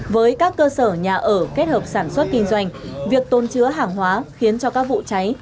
với các cơ sở nhà ở kết hợp sản xuất kinh doanh việc tôn chứa hàng hóa khiến cho các vụ cháy